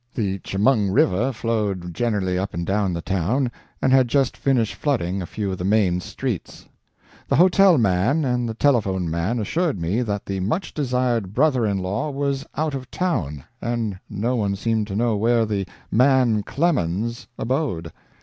The Chemung River flowed generally up and down the town, and had just finished flooding a few of the main streets. The hotel man and the telephone man assured me that the much desired brother in law was out of town, and no one seemed to know where "the man Clemens" abode.